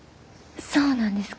そうなんですか？